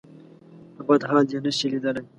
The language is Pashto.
په بد حال دې نه شي ليدلی.